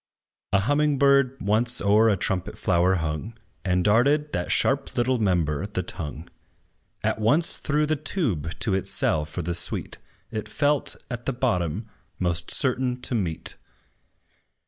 A humming bird once o'er a trumpet flower hung, And darted that sharp little member, the tongue, At once through the tube to its cell for the sweet It felt, at the bottom, most certain to meet.